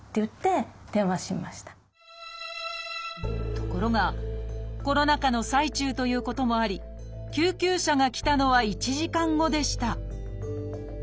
ところがコロナ禍の最中ということもあり救急車が来たのは１時間後でした